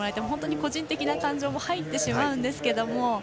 本当、個人的な感情も入ってしまうんですが。